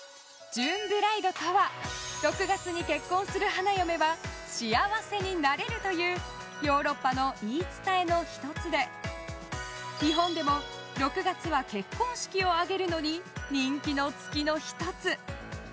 ジューンブライドとは６月に結婚する花嫁は幸せになれるというヨーロッパの言い伝えの１つで日本でも６月は結婚式を挙げるのに人気の月の１つ。